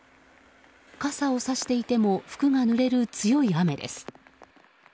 傘をさしていても服がぬれる強い雨です。